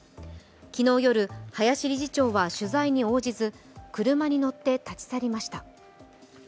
昨日夜、林理事長は取材に応じず車に乗って立ち去りました。